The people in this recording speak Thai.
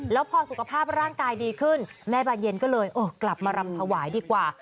แล้วพอสุขภาพร่างกายดีขึ้นแม่บานเย็นก็เลยกลับมารำถวายดีกว่า